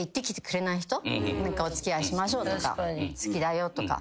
「お付き合いしましょう」とか「好きだよ」とか。